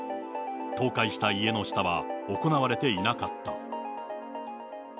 倒壊した家の下は行われていなかった。